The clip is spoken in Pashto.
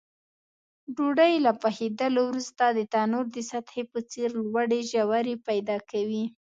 ډوډۍ له پخېدلو وروسته د تنور د سطحې په څېر لوړې ژورې پیدا کوي.